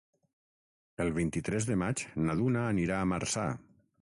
El vint-i-tres de maig na Duna anirà a Marçà.